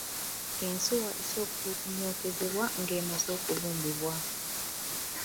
Ensuwa esooka kunyokezebwa ng’emazze okubumbibwa.